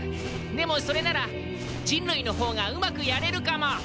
でもそれなら人類のほうがうまくやれるかも！